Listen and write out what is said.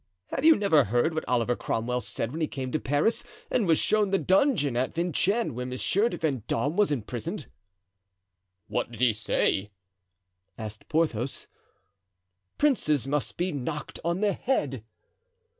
Have you never heard what Oliver Cromwell said when he came to Paris and was shown the dungeon at Vincennes where Monsieur de Vendome was imprisoned?" "What did he say?" asked Porthos. "'Princes must be knocked on the head.